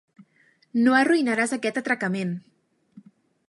No arruïnaràs aquest atracament!